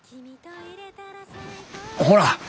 ほら。